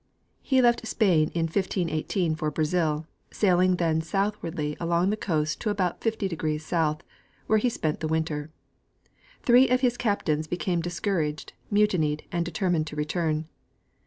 He left Spain in 1518 for Brazil, sailing then southwardly along the coast to about 50° south, where he spent the winter. Three of his captains became discouraged, mutinied and determined to return.